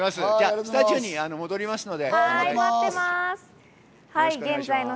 スタジオに戻りますので。